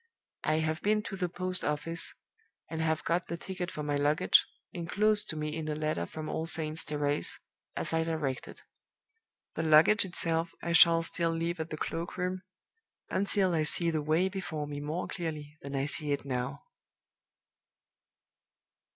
I have been to the post office, and have got the ticket for my luggage, inclosed to me in a letter from All Saints' Terrace, as I directed. The luggage itself I shall still leave at the cloak room, until I see the way before me more clearly than I see it now."